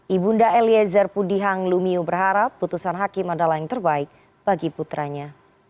ibunda eliezer pudihang lumiu berharap putusan hakim adalah yang terbaik bagi putranya